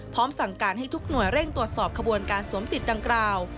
พร้อมสั่งการให้ทุกหน่วยเร่งตรวจสอบขบวนการสวมสิทธิ์ดังกล่าว